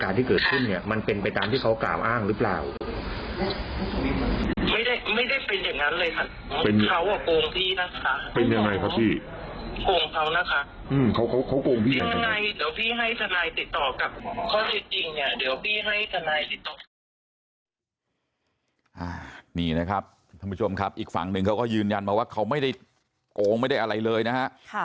นี่นะครับท่านผู้ชมครับอีกฝั่งหนึ่งเขาก็ยืนยันมาว่าเขาไม่ได้โกงไม่ได้อะไรเลยนะฮะ